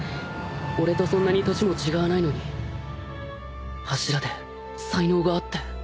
俺とそんなに年も違わないのに柱で才能があって。